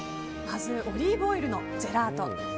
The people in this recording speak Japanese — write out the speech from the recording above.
まずオリーブオイルのジェラート。